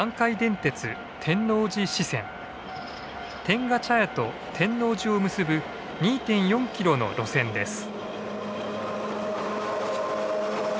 天下茶屋と天王寺を結ぶ２．４キロの路線です。